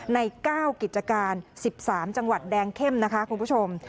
ใน๙กิจการ๑๓จังหวัดแดงเข้มนะคะคุณผู้ชม